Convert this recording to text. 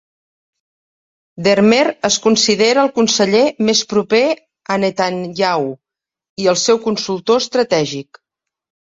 Dermer es considera el conseller més proper a Netanyahu, i el seu consultor estratègic.